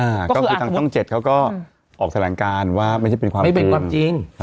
อ่าก็คือทางช่อง๗เขาก็ออกแสดงการว่าไม่ใช่เป็นความจริง